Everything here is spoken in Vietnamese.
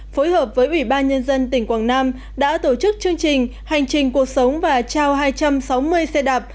phối hợp với ủy ban nhân dân tỉnh quảng nam đã tổ chức chương trình hành trình cuộc sống và trao hai trăm sáu mươi xe đạp